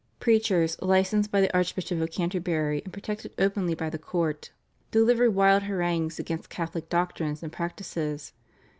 Preachers, licensed by the Archbishop of Canterbury and protected openly by the court, delivered wild harangues against Catholic doctrines and practices.